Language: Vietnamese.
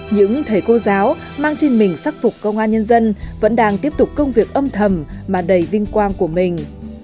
những thầy cô giáo mang trên mình sắc phục công an nhân dân vẫn đang tiếp tục công việc âm thầm mà đầy vinh quang của mình